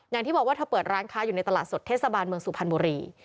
อย่างที่บอกว่าเธอเปิดร้านค้าอยู่ในตลาดสดเทศบาลเมืองสุพรรณบุรี